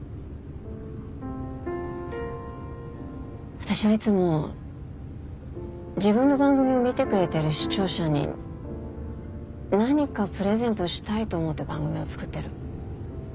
私はいつも自分の番組を見てくれてる視聴者に何かプレゼントしたいと思って番組を作ってる。